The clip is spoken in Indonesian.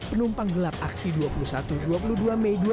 penumpang gelap aksi dua puluh satu dua puluh dua mei dua ribu dua puluh